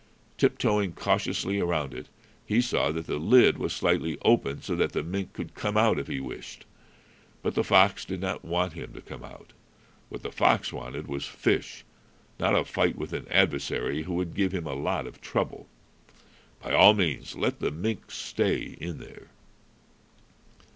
Tip toeing cautiously around it, he saw that the lid was slightly open, so that the mink could come out if he wished. But the fox did not want him to come out. What the fox wanted was fish, not a fight with an adversary who would give him a lot of trouble. By all means, let the mink stay in there.